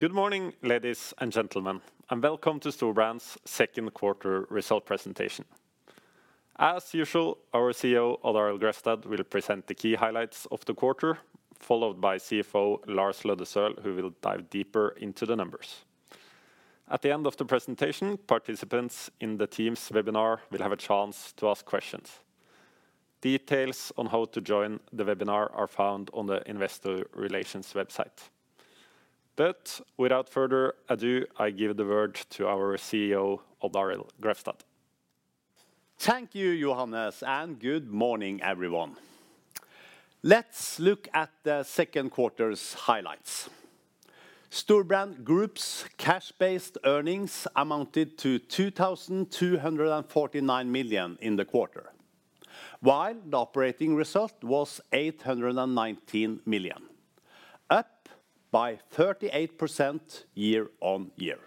Good morning, ladies and gentlemen, and welcome to Storebrand's second quarter result presentation. As usual, our CEO, Odd Arild Grefstad, will present the key highlights of the quarter, followed by CFO Lars Aa. Løddesøl, who will dive deeper into the numbers. At the end of the presentation, participants in the Team's webinar will have a chance to ask questions. Details on how to join the webinar are found on the investor relations website. But without further ado, I give the word to our CEO, Odd Arild Grefstad. Thank you, Johannes, and good morning, everyone. Let's look at the second quarter's highlights. Storebrand Group's cash-based earnings amounted to 2,249 million in the quarter, while the operating result was 819 million, up by 38% year-on-year.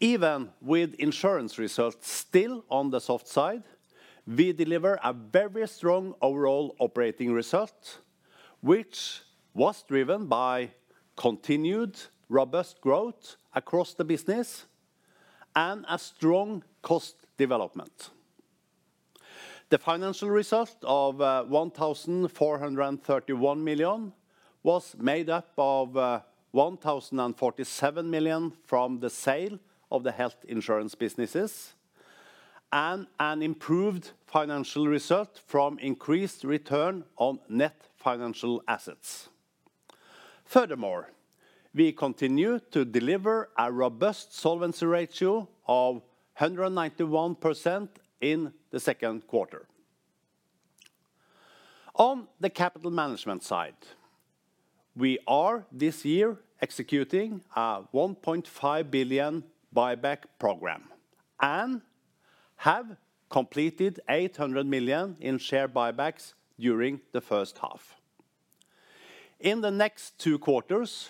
Even with insurance results still on the soft side, we deliver a very strong overall operating result, which was driven by continued robust growth across the business and a strong cost development. The financial result of 1,431 million was made up of 1,047 million from the sale of the health insurance businesses, and an improved financial result from increased return on net financial assets. Furthermore, we continue to deliver a robust solvency ratio of 191% in the second quarter. On the capital management side, we are this year executing a 1.5 billion buyback program and have completed 800 million in share buybacks during the first half. In the next two quarters,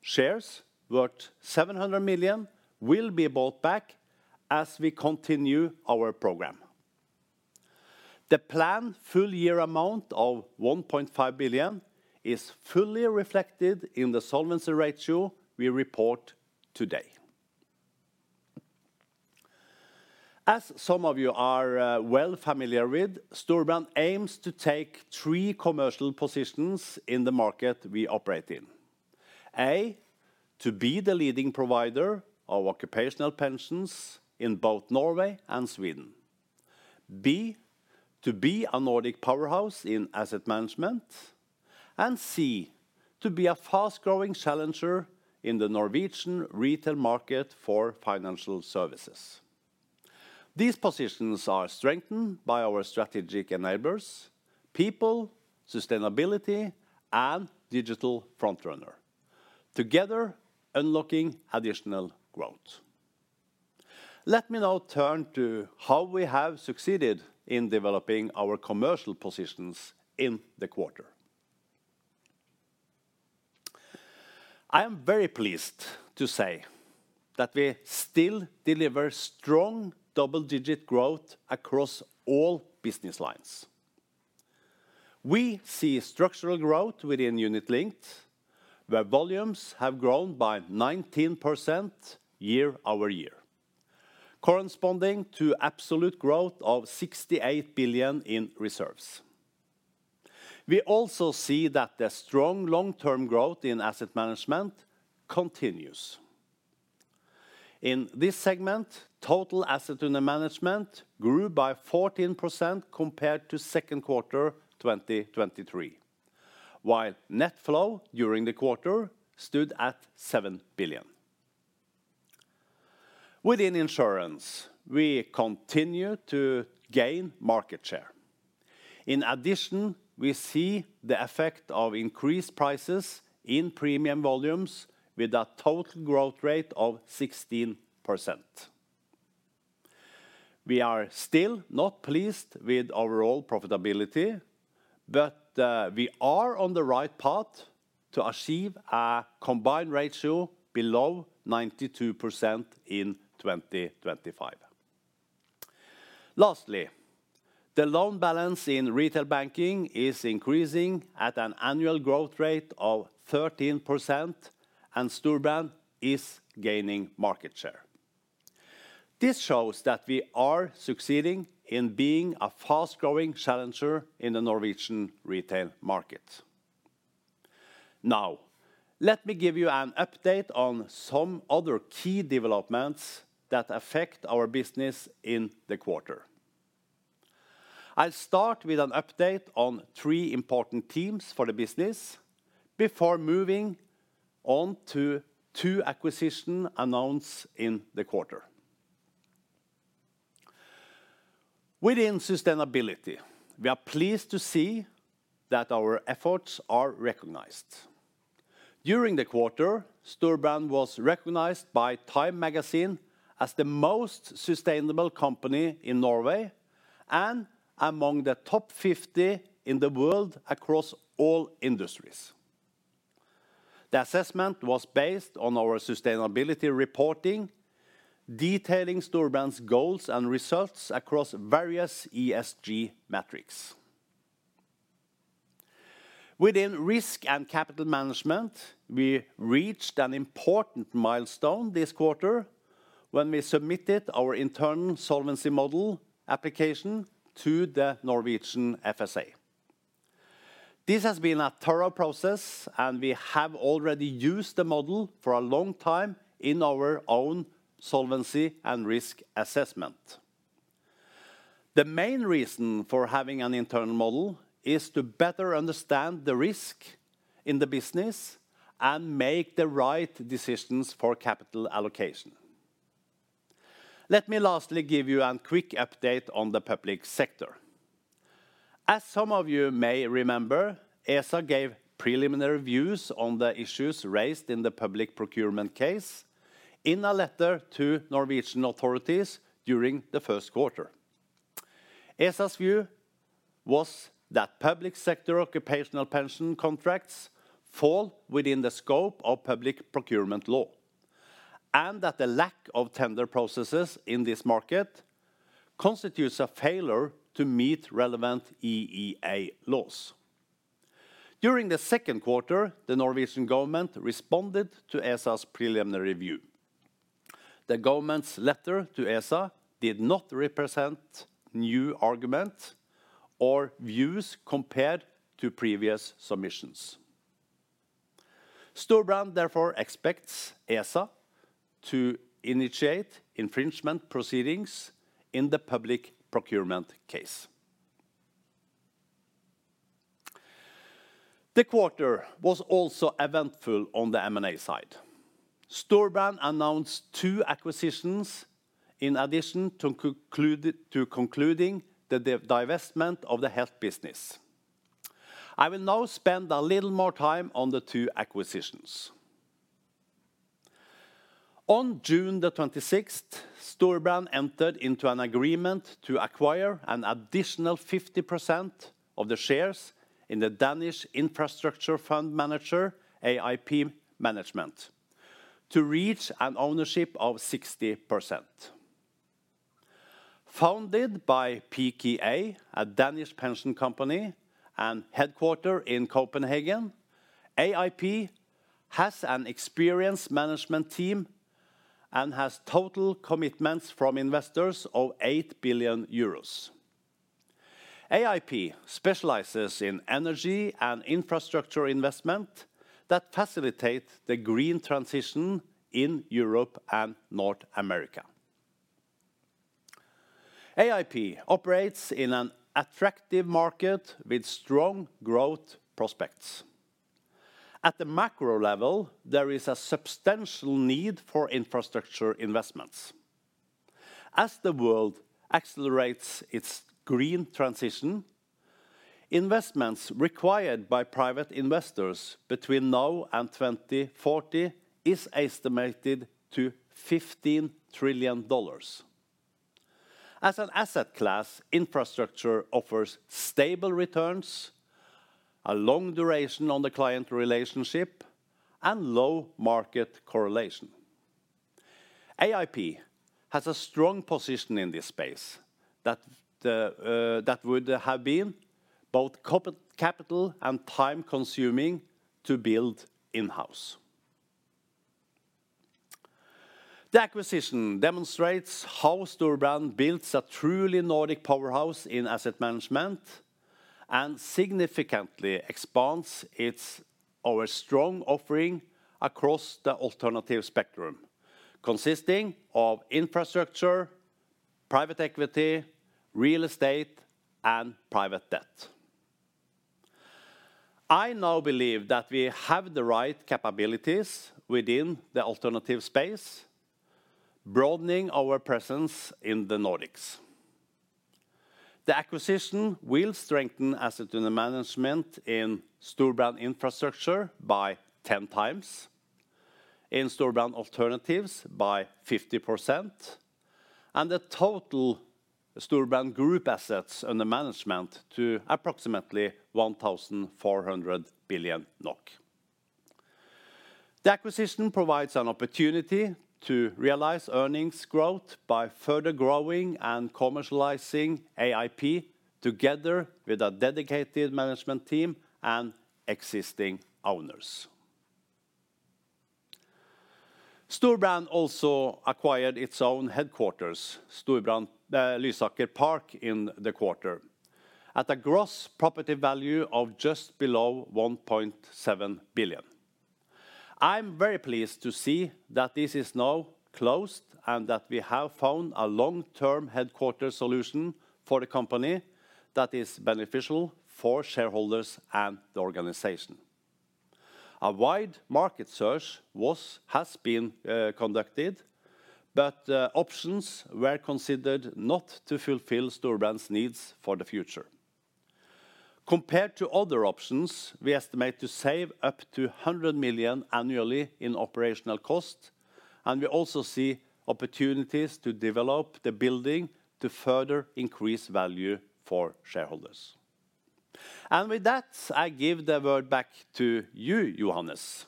shares worth 700 million will be bought back as we continue our program. The planned full year amount of 1.5 billion is fully reflected in the solvency ratio we report today. As some of you are familiar with, Storebrand aims to take three commercial positions in the market we operate in. A, to be the leading provider of occupational pensions in both Norway and Sweden. B, to be a Nordic powerhouse in asset management, and C, to be a fast-growing challenger in the Norwegian retail market for financial services. These positions are strengthened by our strategic enablers, people, sustainability, and digital front runner, together unlocking additional growth. Let me now turn to how we have succeeded in developing our commercial positions in the quarter. I am very pleased to say that we still deliver strong double-digit growth across all business lines. We see structural growth within Unit Linked, where volumes have grown by 19% year-over-year, corresponding to absolute growth of 68 billion in reserves. We also see that the strong long-term growth in asset management continues. In this segment, total asset under management grew by 14% compared to second quarter 2023, while net flow during the quarter stood at 7 billion. Within insurance, we continue to gain market share. In addition, we see the effect of increased prices in premium volumes with a total growth rate of 16%. We are still not pleased with overall profitability, but we are on the right path to achieve a combined ratio below 92% in 2025. Lastly, the loan balance in retail banking is increasing at an annual growth rate of 13%, and Storebrand is gaining market share. This shows that we are succeeding in being a fast-growing challenger in the Norwegian retail market. Now, let me give you an update on some other key developments that affect our business in the quarter. I'll start with an update on three important themes for the business before moving on to two acquisitions announced in the quarter. Within sustainability, we are pleased to see that our efforts are recognized. During the quarter, Storebrand was recognized by Time Magazine as the most sustainable company in Norway and among the top 50 in the world across all industries. The assessment was based on our sustainability reporting, detailing Storebrand's goals and results across various ESG metrics. Within risk and capital management, we reached an important milestone this quarter when we submitted our internal solvency model application to the Norwegian FSA. This has been a thorough process, and we have already used the model for a long time in our own solvency and risk assessment. The main reason for having an internal model is to better understand the risk in the business and make the right decisions for capital allocation. Let me lastly give you a quick update on the public sector. As some of you may remember, ESA gave preliminary views on the issues raised in the public procurement case in a letter to Norwegian authorities during the first quarter. ESA's view was that public sector occupational pension contracts fall within the scope of public procurement law, and that the lack of tender processes in this market constitutes a failure to meet relevant EEA laws. During the second quarter, the Norwegian government responded to ESA's preliminary review. The government's letter to ESA did not represent new argument or views compared to previous submissions. Storebrand therefore expects ESA to initiate infringement proceedings in the public procurement case. The quarter was also eventful on the M&A side. Storebrand announced two acquisitions in addition to concluding the divestment of the health business. I will now spend a little more time on the two acquisitions. On June 26th, Storebrand entered into an agreement to acquire an additional 50% of the shares in the Danish infrastructure fund manager, AIP Management, to reach an ownership of 60%. Founded by PKA, a Danish pension company, and headquartered in Copenhagen, AIP has an experienced management team and has total commitments from investors of 8 billion euros. AIP specializes in energy and infrastructure investment that facilitate the green transition in Europe and North America. AIP operates in an attractive market with strong growth prospects. At the macro level, there is a substantial need for infrastructure investments. As the world accelerates its green transition, investments required by private investors between now and 2040 is estimated to $15 trillion. As an asset class, infrastructure offers stable returns, a long duration on the client relationship, and low market correlation. AIP has a strong position in this space that would have been both capital and time consuming to build in-house. The acquisition demonstrates how Storebrand builds a truly Nordic powerhouse in asset management, and significantly expands its, our strong offering across the alternative spectrum, consisting of infrastructure, private equity, real estate, and private debt. I now believe that we have the right capabilities within the alternative space, broadening our presence in the Nordics. The acquisition will strengthen asset under management in Storebrand Infrastructure by 10x, in Storebrand Alternatives by 50%, and the total Storebrand group assets under management to approximately 1,400 billion NOK. The acquisition provides an opportunity to realize earnings growth by further growing and commercializing AIP together with a dedicated management team and existing owners. Storebrand also acquired its own headquarters, Storebrand Lysaker Park, in the quarter, at a gross property value of just below 1.7 billion. I'm very pleased to see that this is now closed, and that we have found a long-term headquarter solution for the company that is beneficial for shareholders and the organization. A wide market search was, has been, conducted, but, options were considered not to fulfill Storebrand's needs for the future. Compared to other options, we estimate to save up to 100 million annually in operational costs, and we also see opportunities to develop the building to further increase value for shareholders. With that, I give the word back to you, Johannes....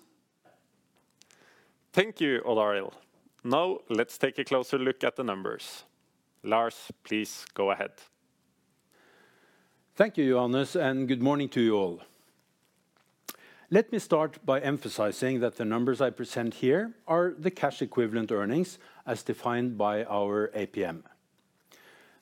Thank you, Odd Arild. Now let's take a closer look at the numbers. Lars, please go ahead. Thank you, Johannes, and good morning to you all. Let me start by emphasizing that the numbers I present here are the cash equivalent earnings, as defined by our APM.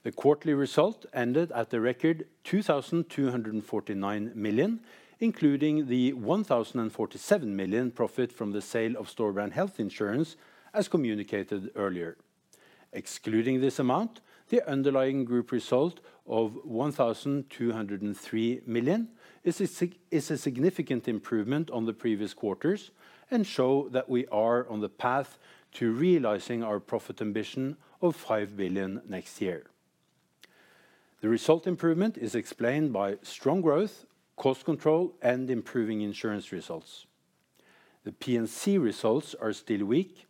The quarterly result ended at the record 2,249 million, including the 1,047 million profit from the sale of Storebrand Health Insurance, as communicated earlier. Excluding this amount, the underlying group result of 1,203 million is a significant improvement on the previous quarters and show that we are on the path to realizing our profit ambition of 5 billion next year. The result improvement is explained by strong growth, cost control, and improving insurance results. The P&C results are still weak,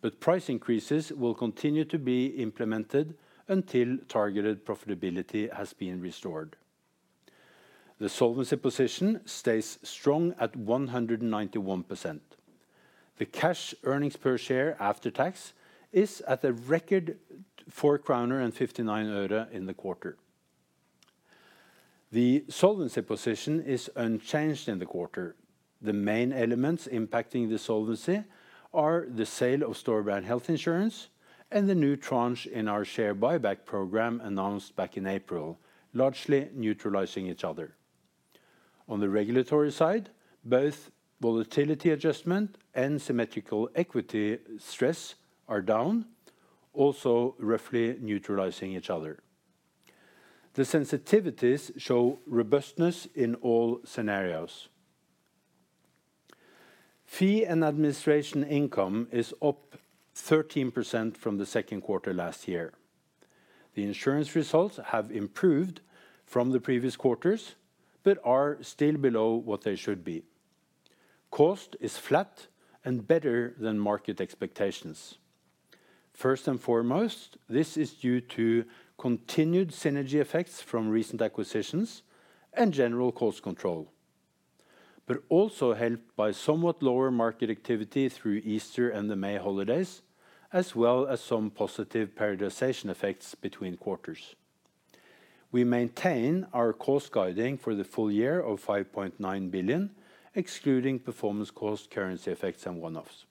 but price increases will continue to be implemented until targeted profitability has been restored. The solvency position stays strong at 191%. The cash earnings per share after tax is at a record NOK 4.59 in the quarter. The solvency position is unchanged in the quarter. The main elements impacting the solvency are the sale of Storebrand Health Insurance and the new tranche in our share buyback program announced back in April, largely neutralizing each other. On the regulatory side, both volatility adjustment and symmetrical equity stress are down, also roughly neutralizing each other. The sensitivities show robustness in all scenarios. Fee and administration income is up 13% from the second quarter last year. The insurance results have improved from the previous quarters, but are still below what they should be. Cost is flat and better than market expectations. First and foremost, this is due to continued synergy effects from recent acquisitions and general cost control, but also helped by somewhat lower market activity through Easter and the May holidays, as well as some positive periodization effects between quarters. We maintain our cost guiding for the full year of 5.9 billion, excluding performance, cost, currency effects, and one-offs.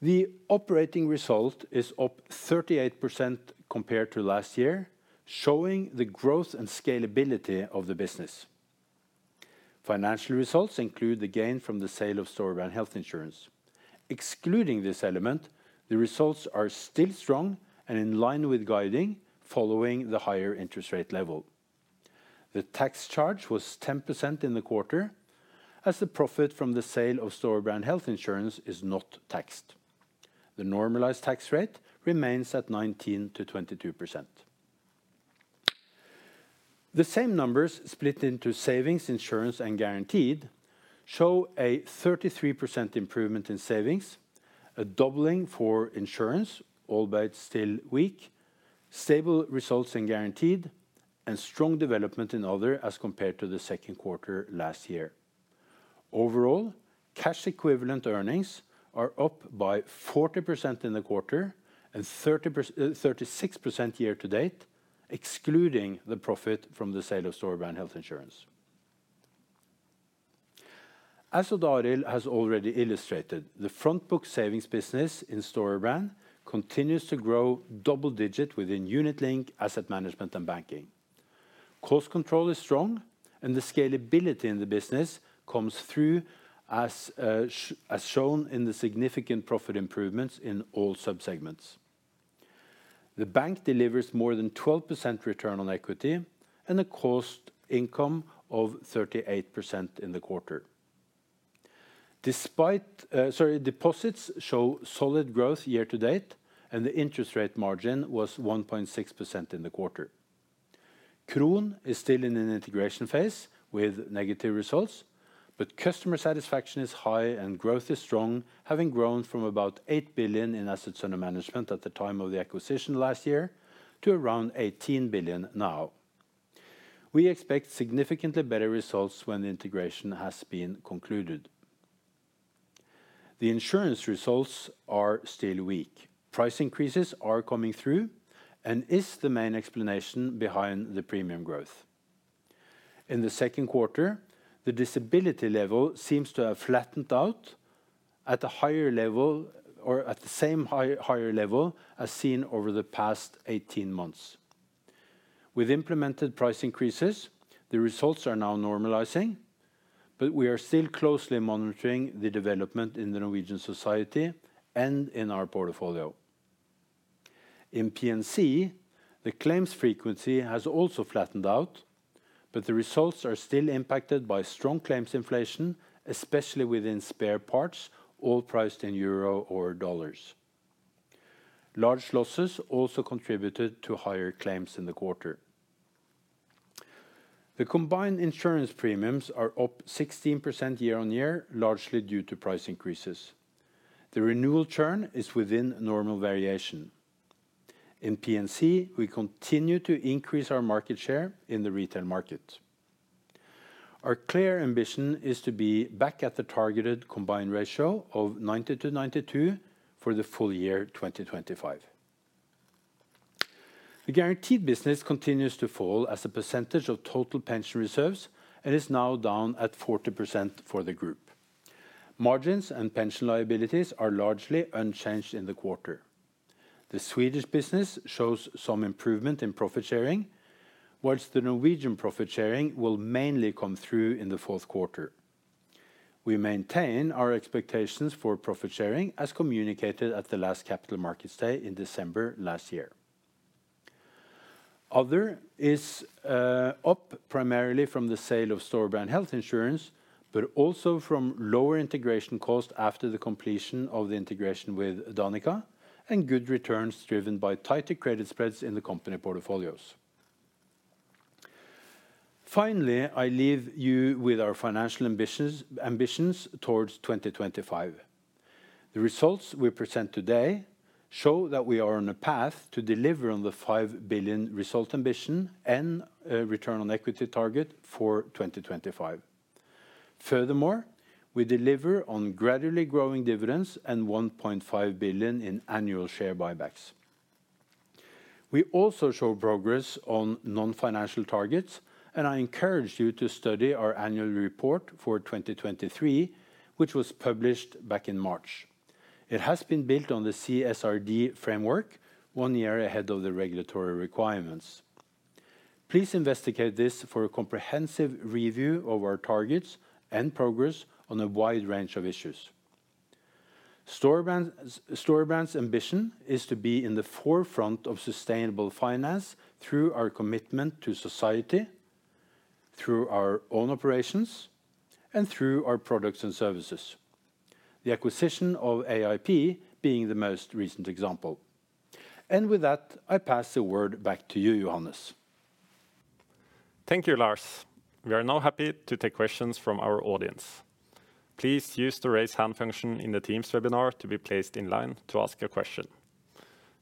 The operating result is up 38% compared to last year, showing the growth and scalability of the business. Financial results include the gain from the sale of Storebrand Health Insurance. Excluding this element, the results are still strong and in line with guiding, following the higher interest rate level. The tax charge was 10% in the quarter, as the profit from the sale of Storebrand Health Insurance is not taxed. The normalized tax rate remains at 19%-22%. The same numbers split into savings, insurance, and guaranteed show a 33% improvement in savings, a doubling for insurance, albeit still weak, stable results and guaranteed, and strong development in other as compared to the second quarter last year. Overall, cash equivalent earnings are up by 40% in the quarter and 36% year-to-date, excluding the profit from the sale of Storebrand Health Insurance. As Odd Arild has already illustrated, the front book savings business in Storebrand continues to grow double-digit within Unit Linked, asset management, and banking. Cost control is strong, and the scalability in the business comes through as shown in the significant profit improvements in all sub-segments. The bank delivers more than 12% return on equity and a cost income of 38% in the quarter. Deposits show solid growth year to date, and the interest rate margin was 1.6% in the quarter. Kron is still in an integration phase with negative results, but customer satisfaction is high and growth is strong, having grown from about 8 billion in assets under management at the time of the acquisition last year to around 18 billion now. We expect significantly better results when the integration has been concluded. The insurance results are still weak. Price increases are coming through and is the main explanation behind the premium growth. In the second quarter, the disability level seems to have flattened out at a higher level or at the same higher level as seen over the past 18 months. With implemented price increases, the results are now normalizing, but we are still closely monitoring the development in the Norwegian society and in our portfolio. In P&C, the claims frequency has also flattened out, but the results are still impacted by strong claims inflation, especially within spare parts, all priced in euro or dollars. Large losses also contributed to higher claims in the quarter. The combined insurance premiums are up 16% year-on-year, largely due to price increases. The renewal churn is within normal variation. In P&C, we continue to increase our market share in the retail market. Our clear ambition is to be back at the targeted combined ratio of 90-92 for the full year 2025. The guaranteed business continues to fall as a percentage of total pension reserves, and is now down at 40% for the group. Margins and pension liabilities are largely unchanged in the quarter. The Swedish business shows some improvement in profit sharing, whilst the Norwegian profit sharing will mainly come through in the fourth quarter. We maintain our expectations for profit sharing, as communicated at the last Capital Markets Day in December last year. Other is up primarily from the sale of Storebrand Health Insurance, but also from lower integration costs after the completion of the integration with Danica, and good returns driven by tighter credit spreads in the company portfolios. Finally, I leave you with our financial ambitions, ambitions towards 2025. The results we present today show that we are on a path to deliver on the 5 billion result ambition and return on equity target for 2025. Furthermore, we deliver on gradually growing dividends and 1.5 billion in annual share buybacks. We also show progress on non-financial targets, and I encourage you to study our annual report for 2023, which was published back in March. It has been built on the CSRD framework, one year ahead of the regulatory requirements. Please investigate this for a comprehensive review of our targets and progress on a wide range of issues. Storebrand's ambition is to be in the forefront of sustainable finance through our commitment to society, through our own operations, and through our products and services, the acquisition of AIP being the most recent example. With that, I pass the word back to you, Johannes. Thank you, Lars. We are now happy to take questions from our audience. Please use the Raise Hand function in the Teams webinar to be placed in line to ask a question.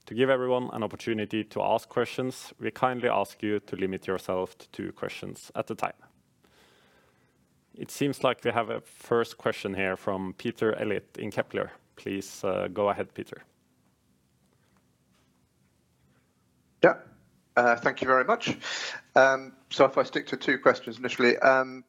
To give everyone an opportunity to ask questions, we kindly ask you to limit yourself to two questions at a time. It seems like we have a first question here from Peter Eliott in Kepler. Please, go ahead, Peter. Yeah. Thank you very much. So if I stick to two questions initially,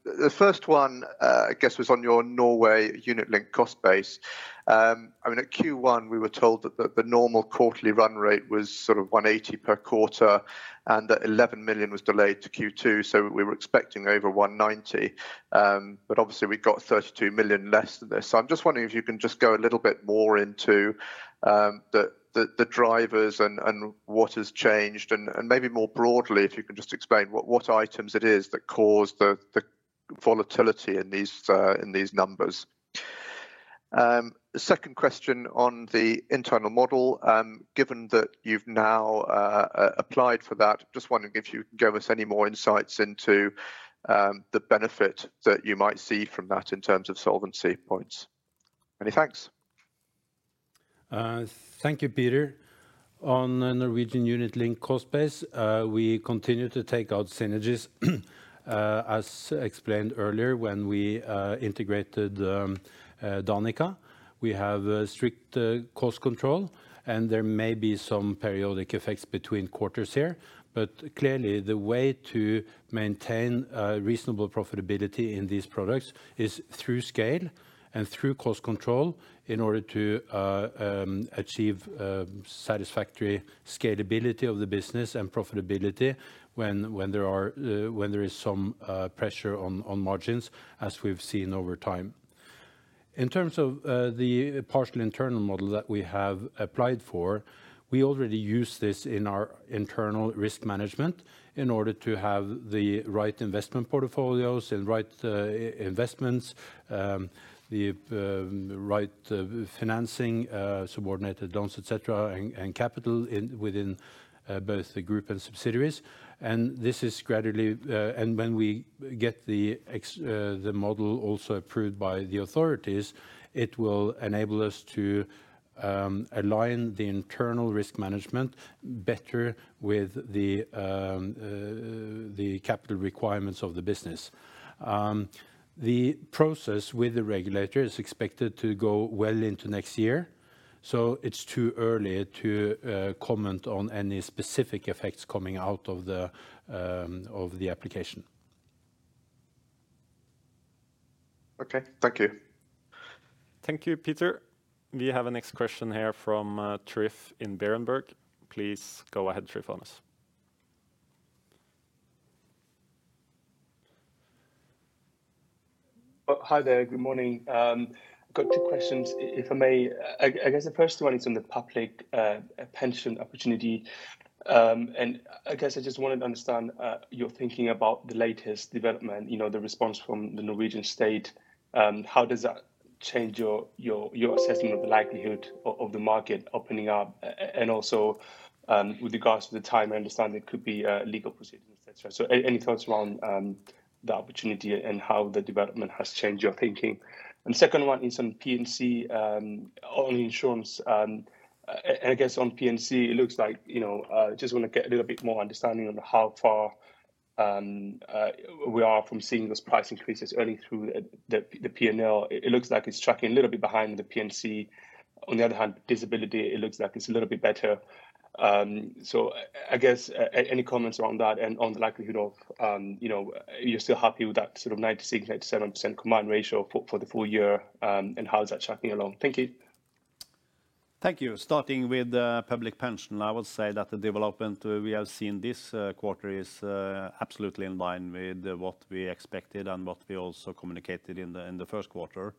the first one, I guess, was on your Norway unit-linked cost base. I mean, at Q1, we were told that the normal quarterly run rate was sort of 180 million per quarter, and that 11 million was delayed to Q2, so we were expecting over 190 million. But obviously we got 32 million less than this. So I'm just wondering if you can just go a little bit more into the drivers and what has changed, and maybe more broadly, if you can just explain what items it is that caused the volatility in these numbers. The second question on the internal model, given that you've now applied for that, just wondering if you can give us any more insights into the benefit that you might see from that in terms of solvency points. Many thanks. Thank you, Peter. On the Norwegian unit-linked cost base, we continue to take out synergies, as explained earlier when we integrated Danica. We have a strict cost control, and there may be some periodic effects between quarters here. But clearly, the way to maintain a reasonable profitability in these products is through scale and through cost control in order to achieve satisfactory scalability of the business and profitability when there is some pressure on margins, as we've seen over time. In terms of the partial internal model that we have applied for, we already use this in our internal risk management in order to have the right investment portfolios and right investments, the right financing, subordinated loans, et cetera, and capital within both the group and subsidiaries, and this is gradually. And when we get the model also approved by the authorities, it will enable us to align the internal risk management better with the capital requirements of the business. The process with the regulator is expected to go well into next year, so it's too early to comment on any specific effects coming out of the application. Okay. Thank you. Thank you, Peter. We have a next question here from Tryfonas in Berenberg. Please go ahead, Tryfonas. Hi there. Good morning. Got two questions, if I may. I guess the first one is on the public pension opportunity. I guess I just wanted to understand your thinking about the latest development, you know, the response from the Norwegian state. How does that change your assessment of the likelihood of the market opening up? Also, with regards to the time, I understand there could be a legal proceeding, et cetera. So any thoughts around the opportunity and how the development has changed your thinking? Second one is on P&C, on insurance. I guess on P&C, it looks like, you know, just want to get a little bit more understanding on how far-... We are from seeing those price increases early through the P&L. It looks like it's tracking a little bit behind the P&C. On the other hand, disability, it looks like it's a little bit better. So I guess any comments on that and on the likelihood of, you know, are you still happy with that sort of 96%-97% combined ratio for the full year? And how is that tracking along? Thank you. Thank you. Starting with public pension, I would say that the development we have seen this quarter is absolutely in line with what we expected and what we also communicated in the first quarter.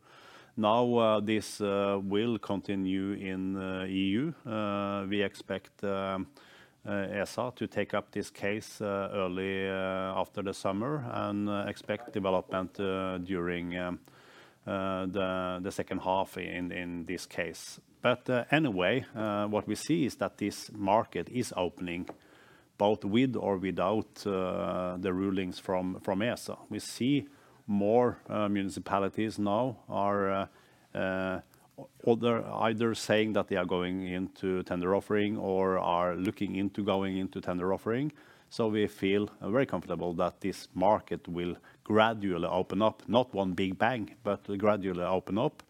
Now, this will continue in EU. We expect ESA to take up this case early after the summer, and expect development during the second half in this case. But anyway, what we see is that this market is opening both with or without the rulings from ESA. We see more municipalities now are either saying that they are going into tender offering or are looking into going into tender offering. So we feel very comfortable that this market will gradually open up, not one big bang, but gradually open up,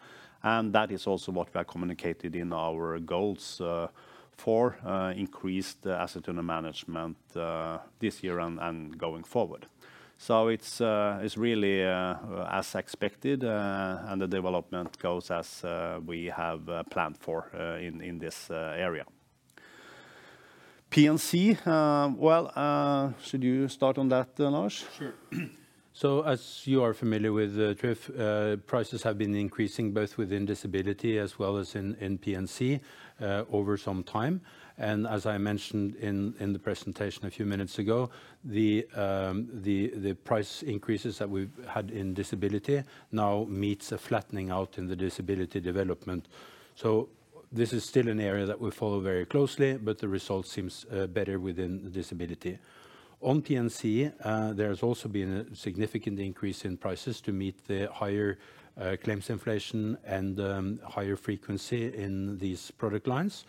and that is also what we have communicated in our goals for increased asset under management this year and going forward. So it's really as expected, and the development goes as we have planned for in this area. P&C, well, should you start on that, Lars? Sure. So as you are familiar with, life prices have been increasing both within disability as well as in P&C over some time, and as I mentioned in the presentation a few minutes ago, the price increases that we've had in disability now meets a flattening out in the disability development. So this is still an area that we follow very closely, but the result seems better within disability. On P&C, there has also been a significant increase in prices to meet the higher claims inflation and higher frequency in these product lines.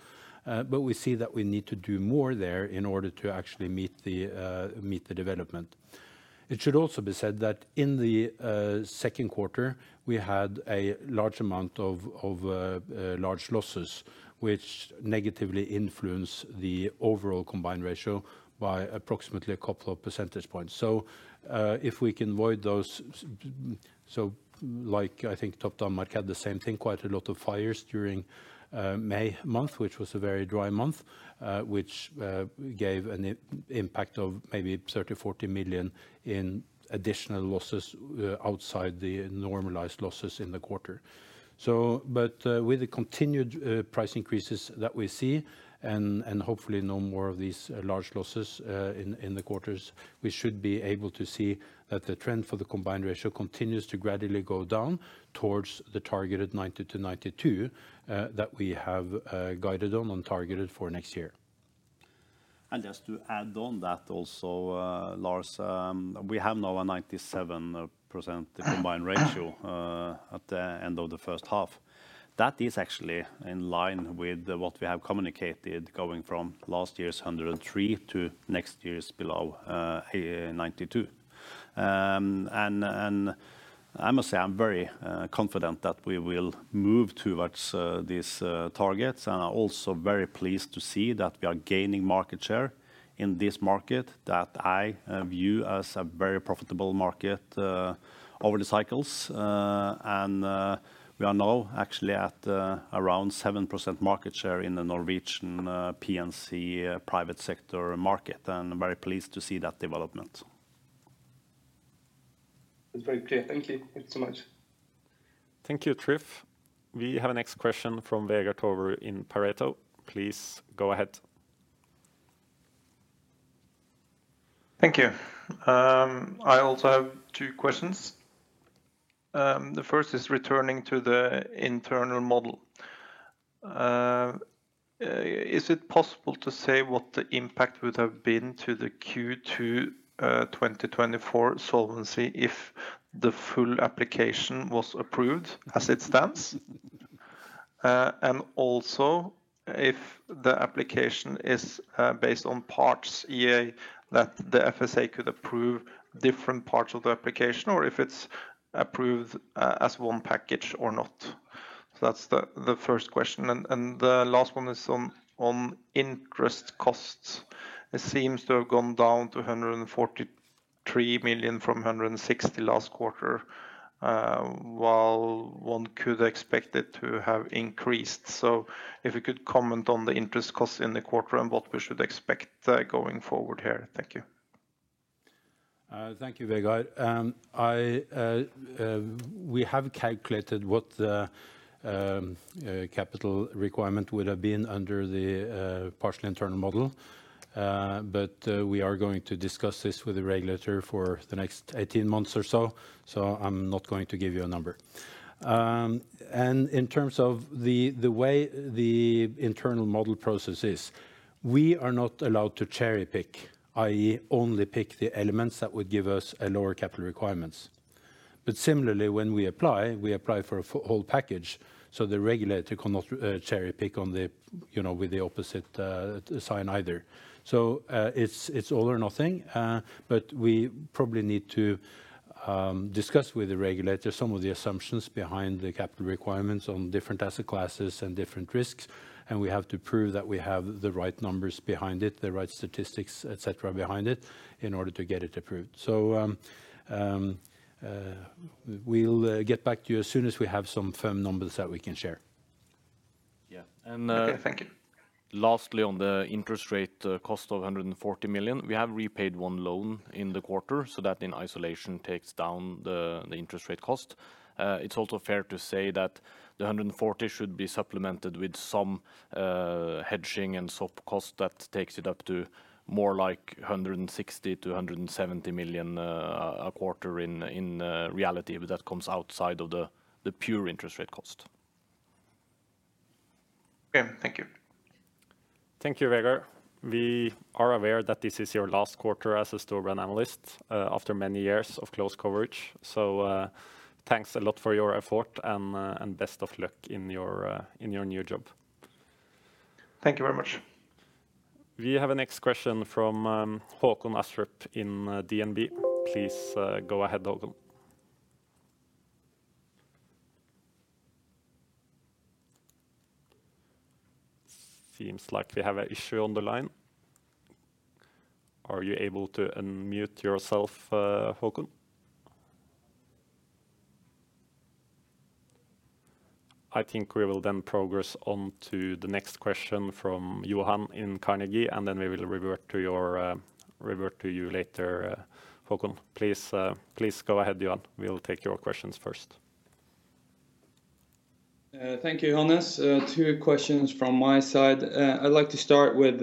But we see that we need to do more there in order to actually meet the development. It should also be said that in the second quarter, we had a large amount of large losses, which negatively influenced the overall combined ratio by approximately a couple of percentage points. So, if we can avoid those. So like, I think Topdanmark had the same thing, quite a lot of fires during May month, which was a very dry month, which gave an impact of maybe 30-40 million in additional losses outside the normalized losses in the quarter. with the continued price increases that we see and hopefully no more of these large losses in the quarters, we should be able to see that the trend for the combined ratio continues to gradually go down towards the targeted 90-92 that we have guided on targeted for next year. Just to add on that also, Lars, we have now a 97% combined ratio at the end of the first half. That is actually in line with what we have communicated, going from last year's 103 to next year's below 92. And I must say, I'm very confident that we will move towards these targets, and are also very pleased to see that we are gaining market share in this market, that I view as a very profitable market over the cycles. And we are now actually at around 7% market share in the Norwegian P&C private sector market, and I'm very pleased to see that development. It's very clear. Thank you. Thank you so much. Thank you, Tryf. We have a next question from Vegard Toverud in Pareto. Please go ahead. Thank you. I also have two questions. The first is returning to the internal model. Is it possible to say what the impact would have been to the Q2 2024 solvency if the full application was approved as it stands? And also, if the application is based on parts, yeah, that the FSA could approve different parts of the application, or if it's approved as one package or not. So that's the first question, and the last one is on interest costs. It seems to have gone down to 143 million from 160 million last quarter, while one could expect it to have increased. So if you could comment on the interest costs in the quarter and what we should expect going forward here. Thank you. Thank you, Vegard. We have calculated what the capital requirement would have been under the partial internal model. But we are going to discuss this with the regulator for the next 18 months or so, so I'm not going to give you a number. And in terms of the way the internal model process is, we are not allowed to cherry-pick, i.e., only pick the elements that would give us a lower capital requirements. But similarly, when we apply, we apply for a whole package, so the regulator cannot cherry-pick on the, you know, with the opposite sign either. So, it's all or nothing. But we probably need to discuss with the regulator some of the assumptions behind the capital requirements on different asset classes and different risks, and we have to prove that we have the right numbers behind it, the right statistics, et cetera, behind it, in order to get it approved. So, we'll get back to you as soon as we have some firm numbers that we can share. Yeah, and Okay, thank you. Lastly, on the interest rate, the cost of 140 million, we have repaid one loan in the quarter, so that in isolation takes down the interest rate cost. It's also fair to say that the 140 should be supplemented with some hedging and soft cost that takes it up to more like 160 million-170 million a quarter in reality, but that comes outside of the pure interest rate cost. Okay, thank you. Thank you, Vegard. We are aware that this is your last quarter as a Storebrand analyst, after many years of close coverage. So, thanks a lot for your effort and best of luck in your new job. Thank you very much. We have a next question from Håkon Astrup in DNB. Please go ahead, Håkon. Seems like we have an issue on the line. Are you able to unmute yourself, Håkon? I think we will then progress on to the next question from Johan in Carnegie, and then we will revert to you later, Håkon. Please, please go ahead, Johan. We'll take your questions first. Thank you, Johannes. Two questions from my side. I'd like to start with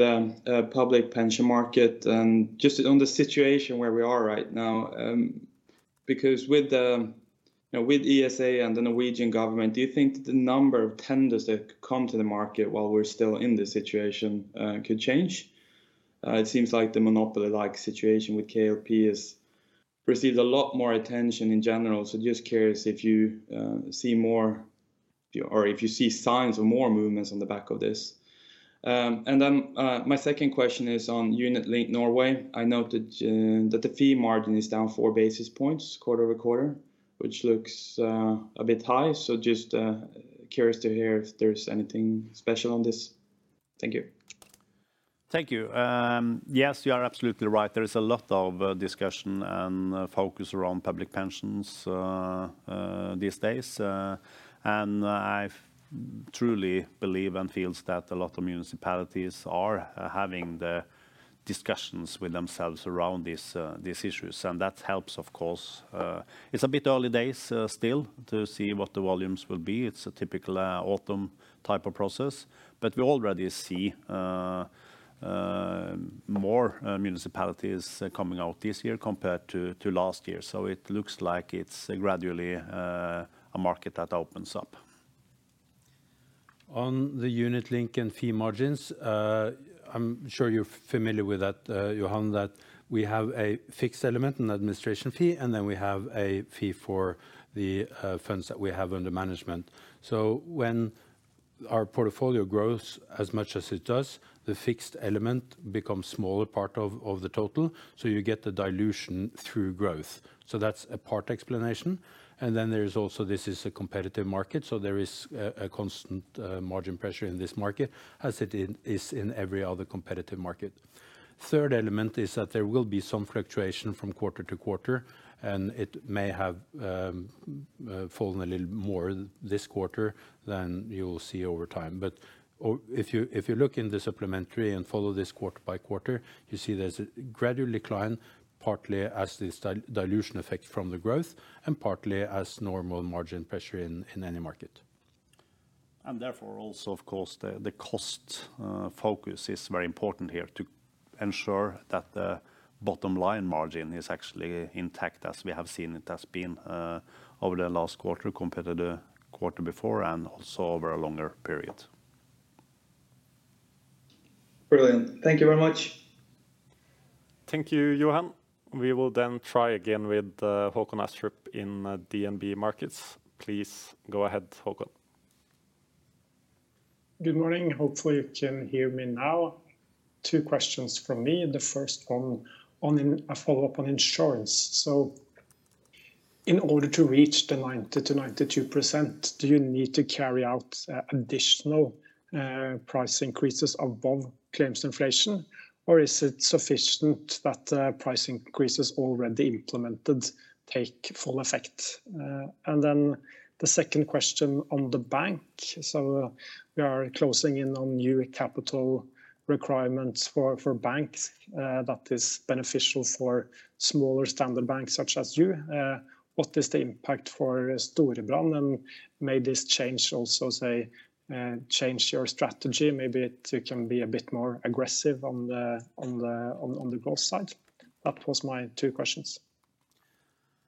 public pension market and just on the situation where we are right now. Because with the, you know, with ESA and the Norwegian government, do you think the number of tenders that come to the market while we're still in this situation could change? It seems like the monopoly-like situation with KLP has received a lot more attention in general, so just curious if you see more, or if you see signs of more movements on the back of this. And then my second question is on Unit Linked Norway. I noted that the fee margin is down four basis points, quarter-over-quarter, which looks a bit high. So just curious to hear if there's anything special on this. Thank you. Thank you. Yes, you are absolutely right. There is a lot of discussion and focus around public pensions these days. And I truly believe and feels that a lot of municipalities are having the discussions with themselves around these issues, and that helps, of course. It's a bit early days still to see what the volumes will be. It's a typical autumn type of process, but we already see more municipalities coming out this year compared to last year. So it looks like it's gradually a market that opens up. On the UnitLink and fee margins, I'm sure you're familiar with that, Johan, that we have a fixed element, an administration fee, and then we have a fee for the funds that we have under management. So when our portfolio grows as much as it does, the fixed element becomes smaller part of, of the total, so you get the dilution through growth. So that's a part explanation. And then there is also, this is a competitive market, so there is a constant margin pressure in this market, as it is in every other competitive market. Third element is that there will be some fluctuation from quarter to quarter, and it may have fallen a little more this quarter than you will see over time. But if you look in the supplementary and follow this quarter by quarter, you see there's a gradual decline, partly as this dilution effect from the growth and partly as normal margin pressure in any market. Therefore, also, of course, the cost focus is very important here to ensure that the bottom line margin is actually intact, as we have seen it has been, over the last quarter compared to the quarter before and also over a longer period. Brilliant. Thank you very much. Thank you, Johan. We will then try again with Håkon Astrup in DNB Markets. Please go ahead, Håkon. Good morning. Hopefully you can hear me now. Two questions from me. The first one on a follow-up on insurance. So in order to reach the 90%-92%, do you need to carry out additional price increases above claims inflation, or is it sufficient that the price increases already implemented take full effect? And then the second question on the bank. So we are closing in on new capital requirements for banks that is beneficial for smaller standard banks such as you. What is the impact for Storebrand, and may this change also, say, change your strategy? Maybe it can be a bit more aggressive on the growth side. That was my two questions.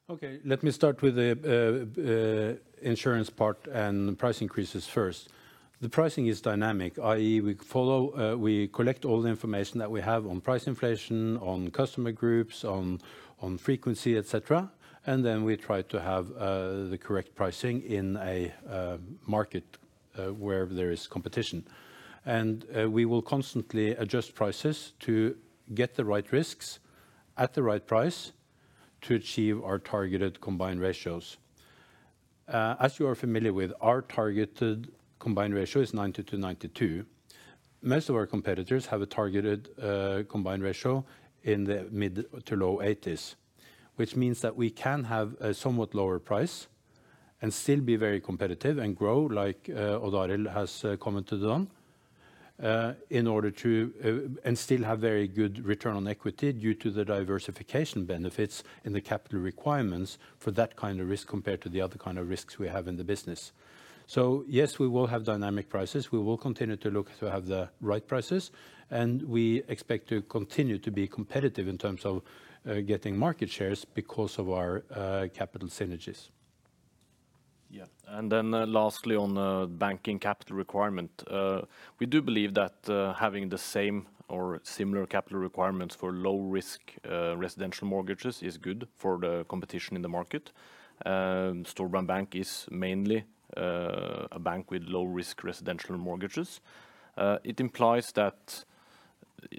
Okay, let me start with the insurance part and the price increases first. The pricing is dynamic, i.e., we follow, we collect all the information that we have on price inflation, on customer groups, on frequency, et cetera, and then we try to have the correct pricing in a market- ... where there is competition. We will constantly adjust prices to get the right risks at the right price to achieve our targeted combined ratios. As you are familiar with, our targeted combined ratio is 90%-92%. Most of our competitors have a targeted combined ratio in the mid- to low 80s, which means that we can have a somewhat lower price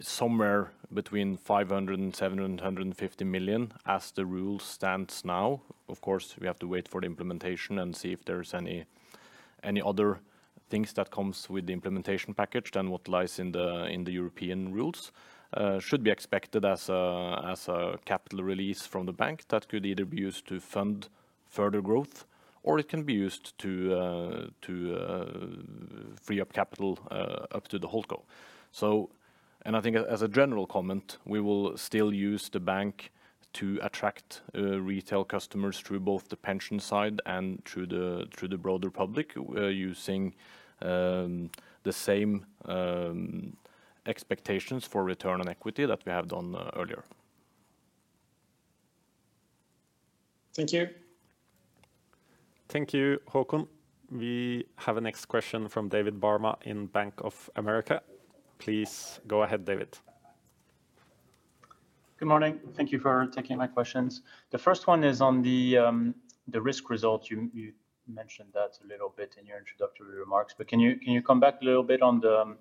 somewhere between 500 million and 750 million, as the rule stands now, of course, we have to wait for the implementation and see if there's any other things that comes with the implementation package than what lies in the European rules, should be expected as a capital release from the bank. That could either be used to fund further growth, or it can be used to free up capital up to the whole goal. I think, as a general comment, we will still use the bank to attract retail customers through both the pension side and through the broader public, using the same expectations for return on equity that we have done earlier. Thank you. Thank you, Håkon. We have a next question from David Barma in Bank of America. Please go ahead, David. Good morning. Thank you for taking my questions. The first one is on the risk result. You mentioned that a little bit in your introductory remarks, but can you come back a little bit on the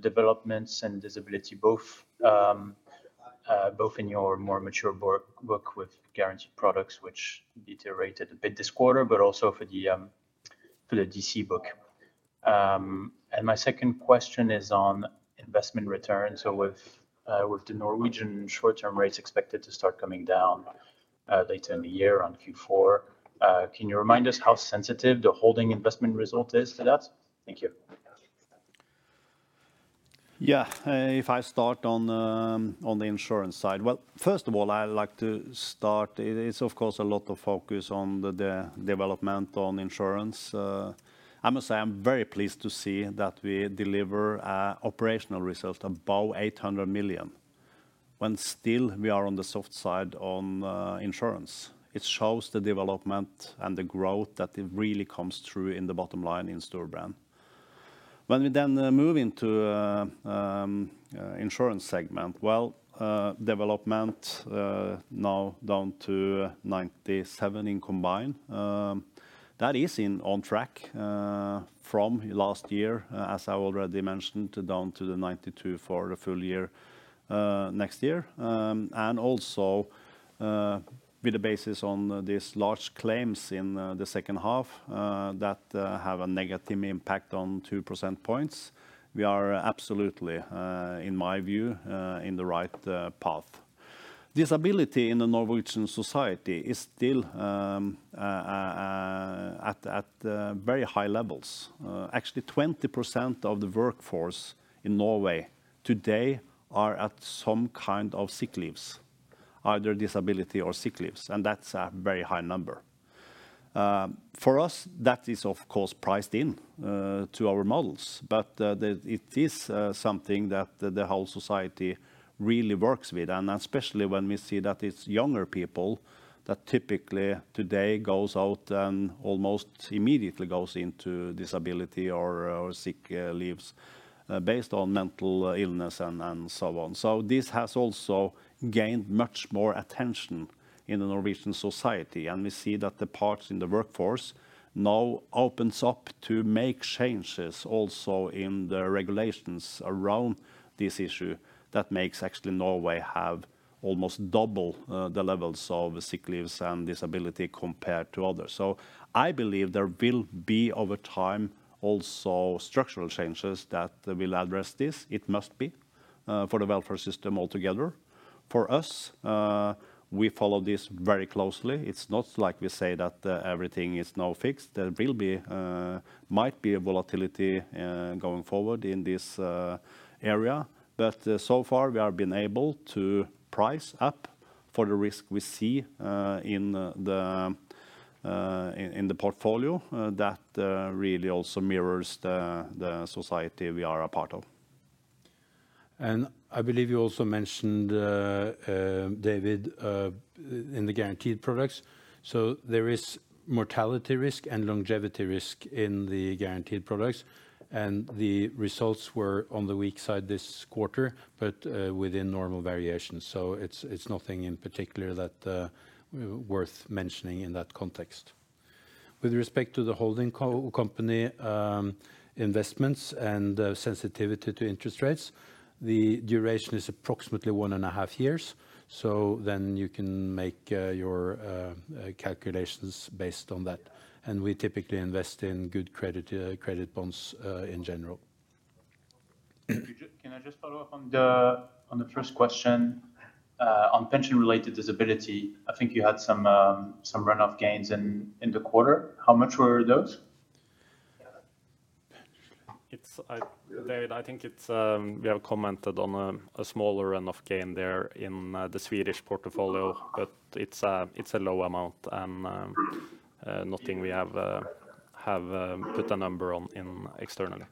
developments and disability, both in your more mature book with guaranteed products, which deteriorated a bit this quarter, but also for the DC book. And my second question is on investment return. So with the Norwegian short-term rates expected to start coming down later in the year on Q4, can you remind us how sensitive the holding investment result is to that? Thank you. Yeah. If I start on the insurance side. Well, first of all, I'd like to start, it is, of course, a lot of focus on the development on insurance. I must say, I'm very pleased to see that we deliver operational results above 800 million, when still we are on the soft side on insurance. It shows the development and the growth that it really comes through in the bottom line in Storebrand. When we then move into insurance segment, well, development now down to 97 in combined, that is in on track from last year, as I already mentioned, down to the 92 for the full year next year. And also, with the basis on these large claims in the second half that have a negative impact on 2 percentage points, we are absolutely, in my view, in the right path. Disability in the Norwegian society is still at very high levels. Actually, 20% of the workforce in Norway today are at some kind of sick leaves, either disability or sick leaves, and that's a very high number. For us, that is, of course, priced in to our models, but it is something that the whole society really works with, and especially when we see that it's younger people that typically today goes out and almost immediately goes into disability or sick leaves based on mental illness and so on. So this has also gained much more attention in the Norwegian society, and we see that the parts in the workforce now opens up to make changes also in the regulations around this issue. That makes actually Norway have almost double the levels of sick leaves and disability compared to others. So I believe there will be, over time, also structural changes that will address this. It must be for the welfare system altogether. For us, we follow this very closely. It's not like we say that everything is now fixed. There will be, might be a volatility going forward in this area, but so far we have been able to price up for the risk we see in the portfolio. That really also mirrors the society we are a part of. I believe you also mentioned, David, in the guaranteed products, so there is mortality risk and longevity risk in the guaranteed products. And the results were on the weak side this quarter, but within normal variations. So it's nothing in particular that's worth mentioning in that context. With respect to the holding company investments and sensitivity to interest rates, the duration is approximately one and a half years, so then you can make your calculations based on that. And we typically invest in good credit bonds in general. Can I just follow up on the first question? On pension-related disability, I think you had some runoff gains in the quarter. How much were those? It's David. I think we have commented on a smaller runoff gain there in the Swedish portfolio, but it's a low amount, and nothing we have put a number on externally.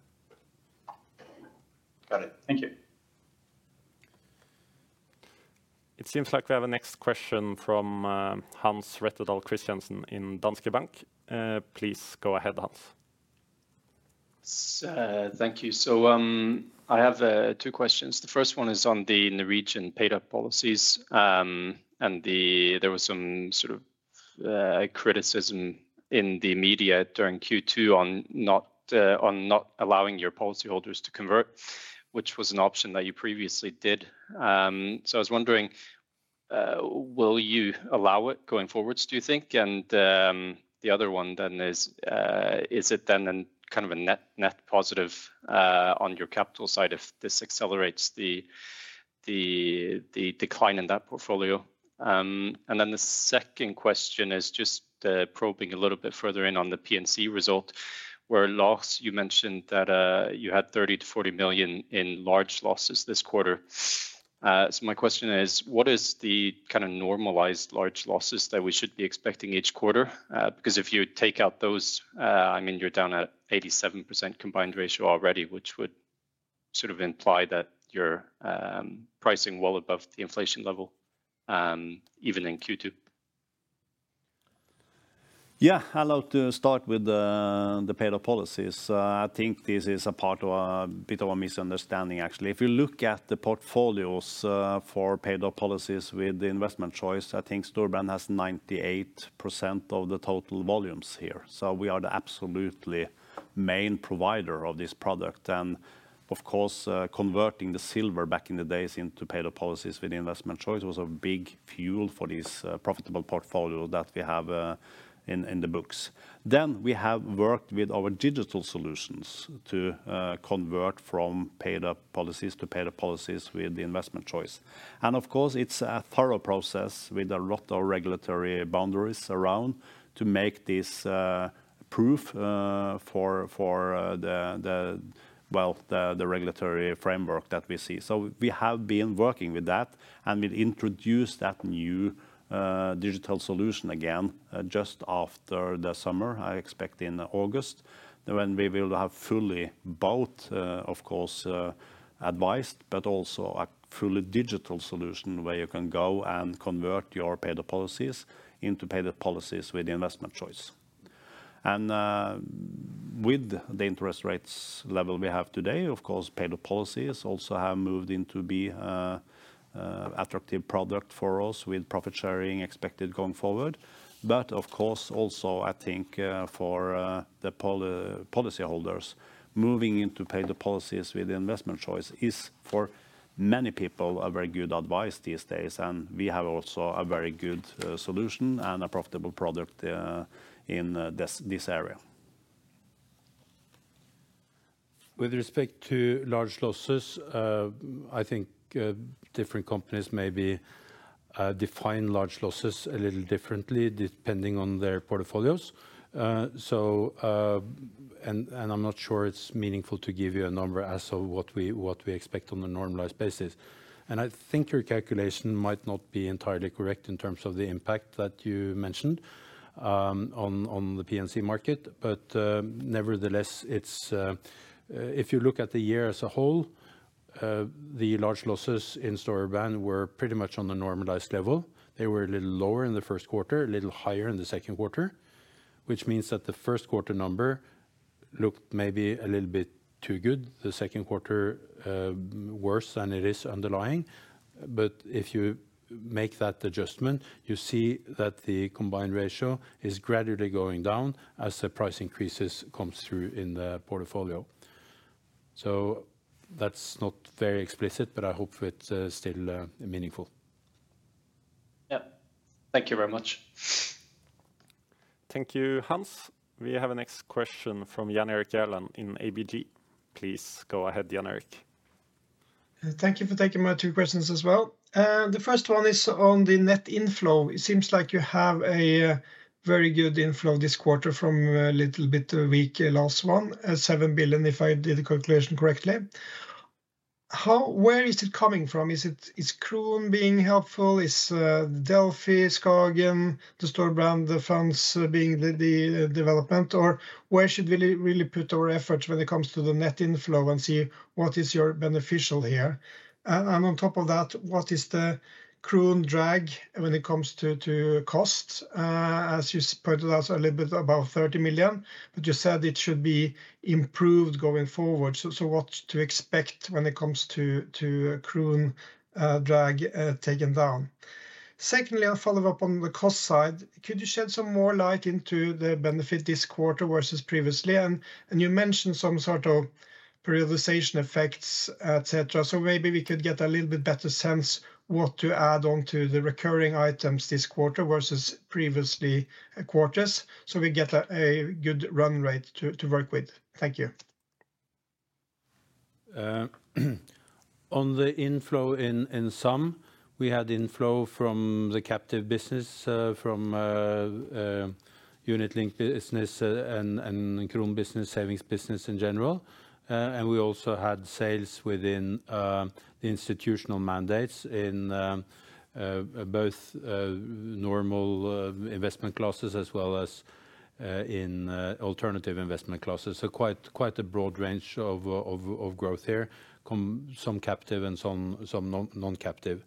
Got it. Thank you. It seems like we have a next question from Hans Rettedal Christiansen in Danske Bank. Please go ahead, Hans. Thank you. So, I have two questions. The first one is on the Norwegian paid-up policies, and the... There was some sort of criticism in the media during Q2 on not allowing your policyholders to convert, which was an option that you previously did. So I was wondering, will you allow it going forwards, do you think? And, the other one then is, is it then a kind of a net, net positive on your capital side if this accelerates the decline in that portfolio? And then the second question is just probing a little bit further in on the P&C result, where at loss you mentioned that you had 30 million-40 million in large losses this quarter. So my question is, what is the kind of normalized large losses that we should be expecting each quarter? Because if you take out those, I mean, you're down at 87% combined ratio already, which would sort of imply that you're pricing well above the inflation level, even in Q2. Yeah. I'd like to start with the paid-up policies. I think this is a bit of a misunderstanding actually. If you look at the portfolios for paid-up policies with the investment choice, I think Storebrand has 98% of the total volumes here, so we are the absolutely main provider of this product. And of course, converting the Silver back in the days into paid-up policies with the investment choice was a big fuel for this profitable portfolio that we have in the books. Then, we have worked with our digital solutions to convert from paid-up policies to paid-up policies with the investment choice. And of course, it's a thorough process with a lot of regulatory boundaries around to make this proof for the regulatory framework that we see. So we have been working with that, and we'll introduce that new digital solution again just after the summer, I expect in August, when we will have fully both, of course, advised, but also a fully digital solution where you can go and convert your paid-up policies into paid-up policies with investment choice. And, with the interest rates level we have today, of course, paid-up policies also have moved into be a attractive product for us with profit sharing expected going forward. But of course, also I think, for the policyholders, moving into paid-up policies with investment choice is, for many people, a very good advice these days, and we have also a very good solution and a profitable product in this area. With respect to large losses, I think different companies maybe define large losses a little differently depending on their portfolios. And I'm not sure it's meaningful to give you a number as to what we expect on a normalized basis. And I think your calculation might not be entirely correct in terms of the impact that you mentioned on the P&C market. But nevertheless, it's if you look at the year as a whole, the large losses in Storebrand were pretty much on the normalized level. They were a little lower in the first quarter, a little higher in the second quarter, which means that the first quarter number looked maybe a little bit too good, the second quarter worse than it is underlying. But if you make that adjustment, you see that the combined ratio is gradually going down as the price increases comes through in the portfolio. So that's not very explicit, but I hope it's still meaningful. Yeah. Thank you very much. Thank you, Hans. We have a next question from Jan Erik Gjerland in ABG. Please go ahead, Jan Erik. Thank you for taking my two questions as well. The first one is on the net inflow. It seems like you have a very good inflow this quarter from a little bit weak last one, 7 billion, if I did the calculation correctly. How, where is it coming from? Is it, is Kron being helpful? Is, Delphi, Skagen, the Storebrand, the funds, being the, the development, or where should we really put our efforts when it comes to the net inflow and see what is your beneficial here? And, and on top of that, what is the Kron drag when it comes to, to cost? As you pointed out, a little bit about 30 million, but you said it should be improved going forward. So, so what to expect when it comes to, to Kron, drag, taken down?... Secondly, I'll follow up on the cost side. Could you shed some more light into the benefit this quarter versus previously? And, and you mentioned some sort of periodization effects, et cetera, so maybe we could get a little bit better sense what to add on to the recurring items this quarter versus previously quarters, so we get a, a good run rate to, to work with. Thank you. On the inflow, in sum, we had inflow from the captive business, from unit link business, and Kron business, savings business in general. And we also had sales within the institutional mandates in both normal investment classes as well as in alternative investment classes. So quite a broad range of growth here, from some captive and some non-captive.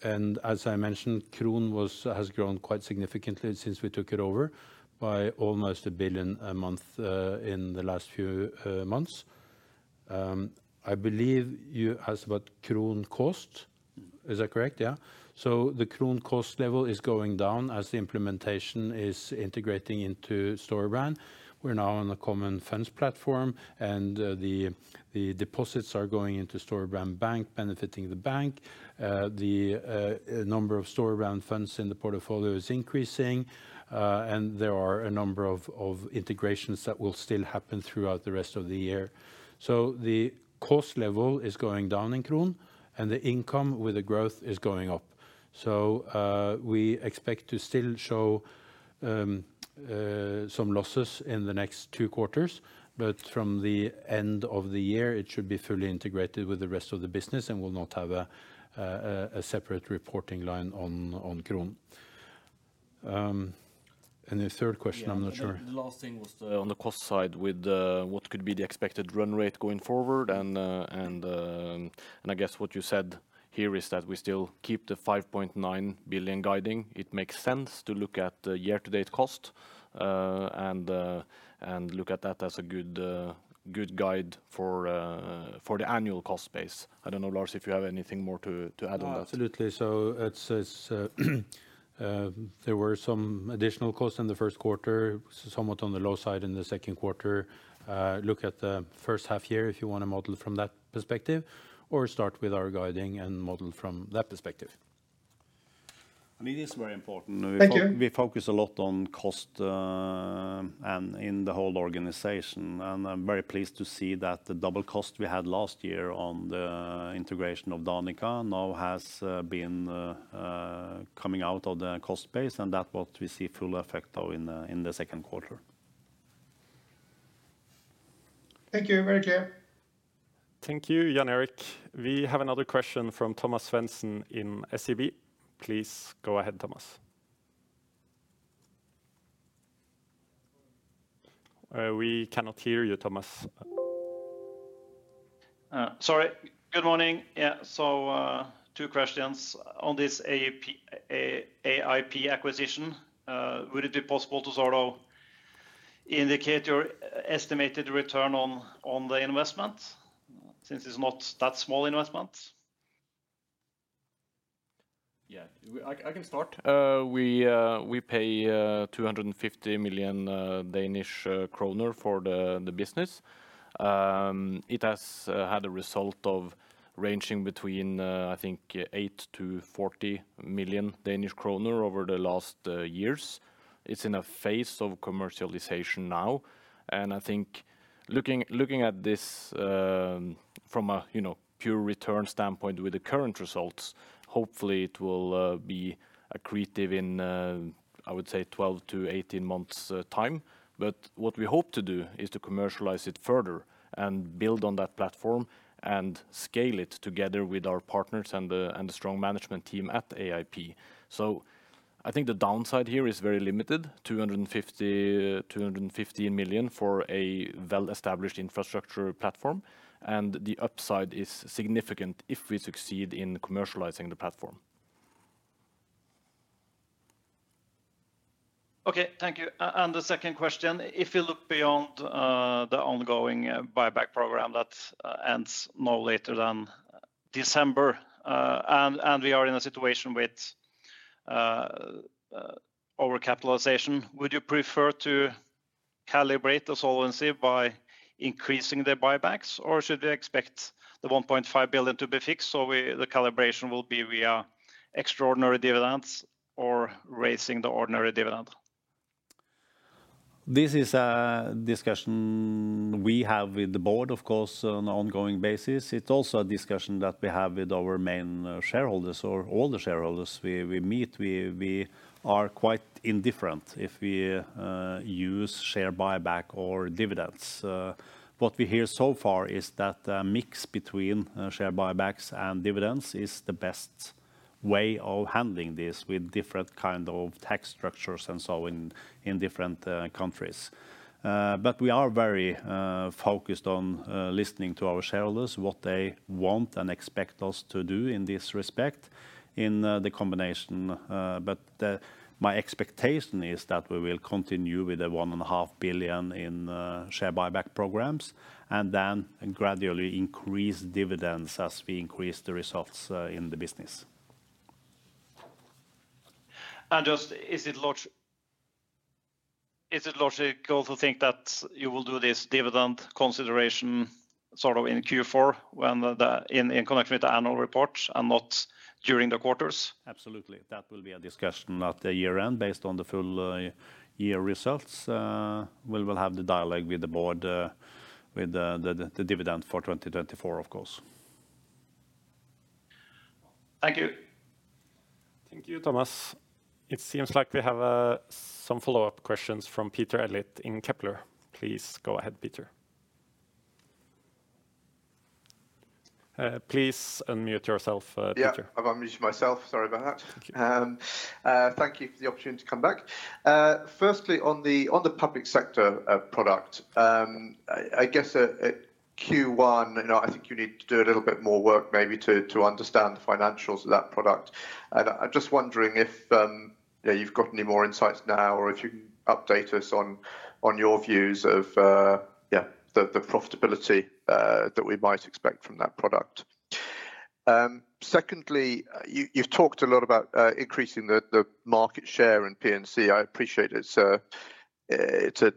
And as I mentioned, Kron has grown quite significantly since we took it over by almost 1 billion a month in the last few months. I believe you asked about Kron cost, is that correct? Yeah. So the Kron cost level is going down as the implementation is integrating into Storebrand. We're now on a common funds platform, and the deposits are going into Storebrand Bank, benefiting the bank. The number of Storebrand funds in the portfolio is increasing, and there are a number of integrations that will still happen throughout the rest of the year. So the cost level is going down in Kron, and the income with the growth is going up. So we expect to still show some losses in the next two quarters, but from the end of the year, it should be fully integrated with the rest of the business and will not have a separate reporting line on Kron. And the third question, I'm not sure. Yeah, the last thing was on the cost side with what could be the expected run rate going forward, and I guess what you said here is that we still keep the 5.9 billion guiding. It makes sense to look at the year-to-date cost and look at that as a good guide for the annual cost base. I don't know, Lars, if you have anything more to add on that? Absolutely. So there were some additional costs in the first quarter, somewhat on the low side in the second quarter. Look at the first half year if you want to model from that perspective, or start with our guiding and model from that perspective. I mean, it is very important- Thank you. We focus a lot on cost, and in the whole organization, and I'm very pleased to see that the double cost we had last year on the integration of Danica now has been coming out of the cost base, and that what we see full effect of in the second quarter. Thank you. Very clear. Thank you, Jan Erik. We have another question from Thomas Svendsen in SEB. Please go ahead, Thomas. We cannot hear you, Thomas. Sorry. Good morning. Yeah, so, two questions. On this AIP... AIP acquisition, would it be possible to sort of indicate your estimated return on, on the investment, since it's not that small investment? Yeah, I can start. We pay 250 million Danish kroner for the business. It has had a result ranging between, I think, 8 million-40 million Danish kroner over the last years. It's in a phase of commercialization now, and I think looking at this from a, you know, pure return standpoint with the current results, hopefully it will be accretive in, I would say, 12-18 months' time. But what we hope to do is to commercialize it further and build on that platform and scale it together with our partners and the strong management team at AIP. So I think the downside here is very limited, 250 million for a well-established infrastructure platform, and the upside is significant if we succeed in commercializing the platform. Okay, thank you. And the second question, if you look beyond the ongoing buyback program that ends no later than December, and we are in a situation with overcapitalization, would you prefer to calibrate the solvency by increasing the buybacks, or should we expect the 1.5 billion to be fixed, so we... the calibration will be via extraordinary dividends or raising the ordinary dividend? This is a discussion we have with the board, of course, on an ongoing basis. It's also a discussion that we have with our main shareholders or all the shareholders we meet. We are quite indifferent if we use share buyback or dividends. What we hear so far is that a mix between share buybacks and dividends is the best way of handling this with different kind of tax structures and so in different countries. But we are very focused on listening to our shareholders, what they want and expect us to do in this respect, in the combination, but the... my expectation is that we will continue with the 1.5 billion in share buyback programs, and then gradually increase dividends as we increase the results in the business.... And just, is it logical to think that you will do this dividend consideration sort of in Q4 when in connection with the annual reports and not during the quarters? Absolutely. That will be a discussion at the year-end based on the full year results. We will have the dialogue with the board, with the dividend for 2024, of course. Thank you. Thank you, Thomas. It seems like we have some follow-up questions from Peter Elliott in Kepler. Please go ahead, Peter. Please unmute yourself, Peter. Yeah, I've unmuted myself. Sorry about that. Thank you. Thank you for the opportunity to come back. Firstly, on the public sector product, I guess at Q1, you know, I think you need to do a little bit more work, maybe to understand the financials of that product. I'm just wondering if you've got any more insights now, or if you can update us on your views of the profitability that we might expect from that product. Secondly, you've talked a lot about increasing the market share in P&C. I appreciate it's an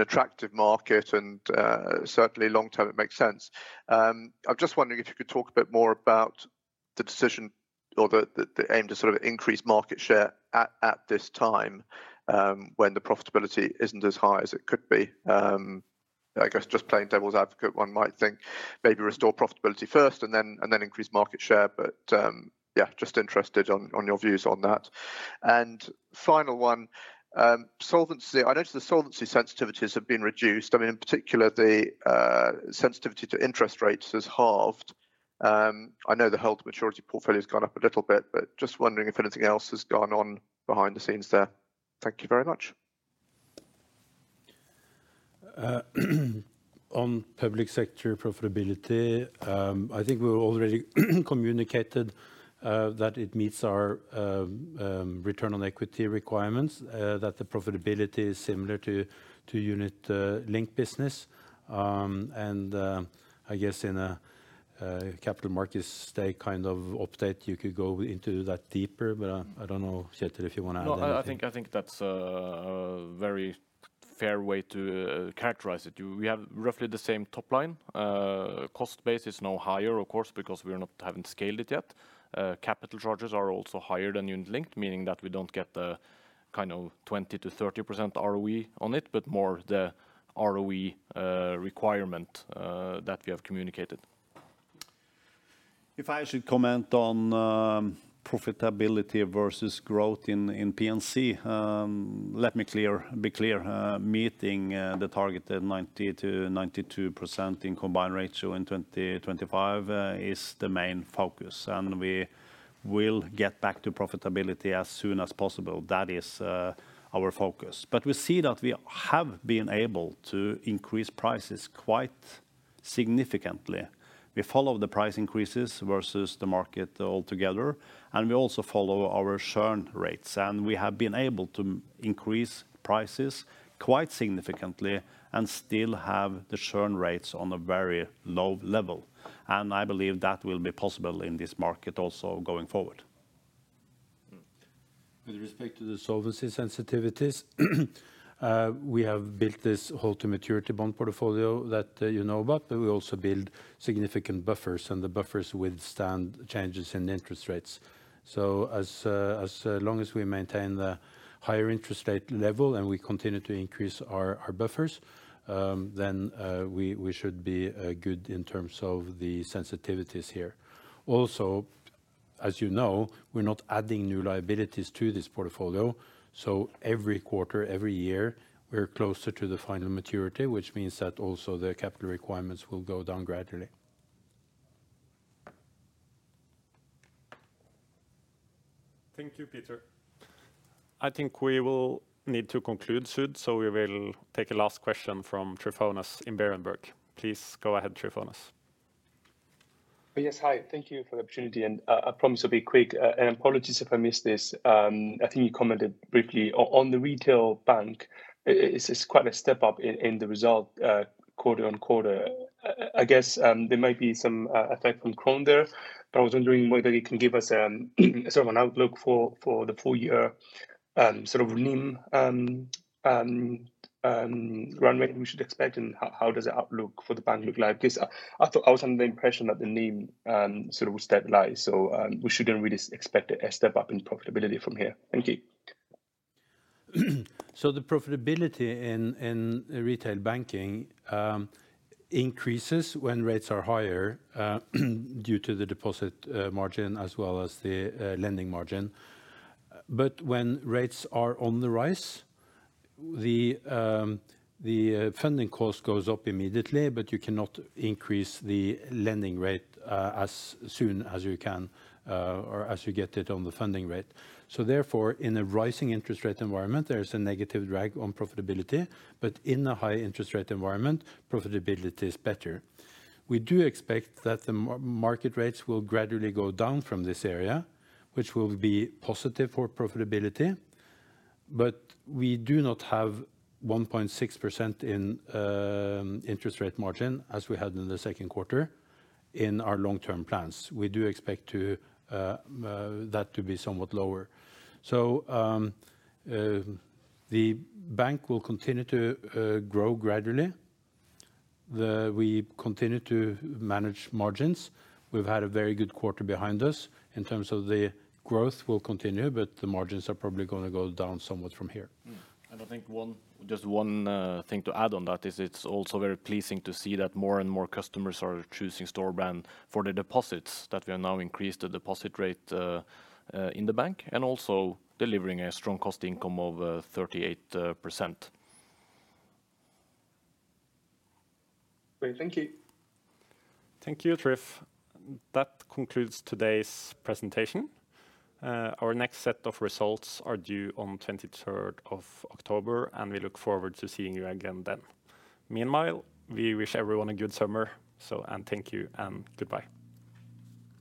attractive market and certainly long-term it makes sense. I'm just wondering if you could talk a bit more about the decision or the aim to sort of increase market share at this time, when the profitability isn't as high as it could be. I guess just playing devil's advocate, one might think maybe restore profitability first and then increase market share, but yeah, just interested on your views on that. And final one, solvency. I noticed the solvency sensitivities have been reduced. I mean, in particular, the sensitivity to interest rates has halved. I know the held-to-maturity portfolio's gone up a little bit, but just wondering if anything else has gone on behind the scenes there. Thank you very much. On public sector profitability, I think we've already communicated that it meets our return on equity requirements, that the profitability is similar to unit link business. And I guess in a Capital Markets Day kind of update, you could go into that deeper, but I don't know, Kjetil, if you wanna add anything. No, I think that's a very fair way to characterize it. We have roughly the same top line. Cost base is now higher, of course, because we haven't scaled it yet. Capital charges are also higher than unit link, meaning that we don't get the kind of 20%-30% ROE on it, but more the ROE requirement that we have communicated. If I should comment on profitability versus growth in P&C, let me be clear. Meeting the target of 90%-92% in combined ratio in 2025 is the main focus, and we will get back to profitability as soon as possible. That is our focus. But we see that we have been able to increase prices quite significantly. We follow the price increases versus the market altogether, and we also follow our churn rates, and we have been able to increase prices quite significantly and still have the churn rates on a very low level, and I believe that will be possible in this market also going forward. Mm-hmm. With respect to the solvency sensitivities, we have built this hold-to-maturity bond portfolio that you know about, but we also build significant buffers, and the buffers withstand changes in interest rates. So as long as we maintain the higher interest rate level and we continue to increase our buffers, then we should be good in terms of the sensitivities here. Also, as you know, we're not adding new liabilities to this portfolio, so every quarter, every year, we're closer to the final maturity, which means that also the capital requirements will go down gradually. Thank you, Lars. I think we will need to conclude soon, so we will take a last question from Tryfonas in Berenberg. Please go ahead, Tryfonas. Yes, hi. Thank you for the opportunity, and I promise I'll be quick. And apologies if I missed this. I think you commented briefly. On the retail bank, it's quite a step up in the result quarter-over-quarter. I guess there might be some effect from Kron there, but I was wondering whether you can give us sort of an outlook for the full year, sort of NIM run rate we should expect, and how does the outlook for the bank look like? Because I thought I was under the impression that the NIM sort of would stabilize, so we shouldn't really expect a step up in profitability from here. Thank you. So the profitability in retail banking increases when rates are higher due to the deposit margin, as well as the lending margin. But when rates are on the rise, the funding cost goes up immediately, but you cannot increase the lending rate as soon as you can or as you get it on the funding rate. So therefore, in a rising interest rate environment, there is a negative drag on profitability, but in a high interest rate environment, profitability is better. We do expect that the market rates will gradually go down from this area, which will be positive for profitability, but we do not have 1.6% in interest rate margin as we had in the second quarter in our long-term plans. We do expect that to be somewhat lower. So, the bank will continue to grow gradually. We continue to manage margins. We've had a very good quarter behind us. In terms of the growth will continue, but the margins are probably gonna go down somewhat from here. Mm-hmm. And I think one, just one, thing to add on that is it's also very pleasing to see that more and more customers are choosing Storebrand for the deposits, that we have now increased the deposit rate, in the bank, and also delivering a strong cost income of 38%. Great. Thank you. Thank you, Tryfonas. That concludes today's presentation. Our next set of results are due on 23rd of October, and we look forward to seeing you again then. Meanwhile, we wish everyone a good summer, so and thank you, and goodbye.